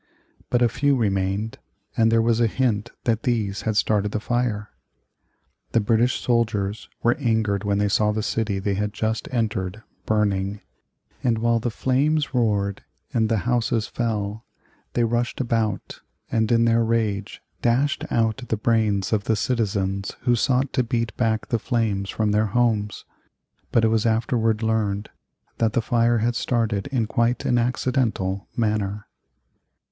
But a few remained, and there was a hint that these had started the fire. The British soldiers were angered when they saw the city they had just entered burning, and while the flames roared and the houses fell they rushed about and in their rage dashed out the brains of the citizens who sought to beat back the flames from their homes. But it was afterward learned that the fire had started in quite an accidental manner.